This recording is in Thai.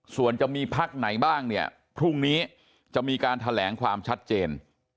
ส่วนจะมีพักไหนบ้างเนี่ยพรุ่งนี้จะมีการแถลงความชัดเจน